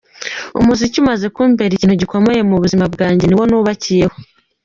Umuziki umaze kumbera ikintu gikomeye mu buzima bwanjye, ni wo nubakiyeho.